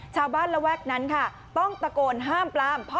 ชาวบ้านระแวกนั้นค่ะต้องตะโกนห้ามปลามพอ